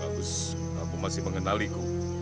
bagus aku masih mengenaliku